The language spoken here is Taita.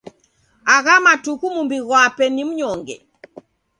Agha matuku mumbi ghwape ni mnyonge.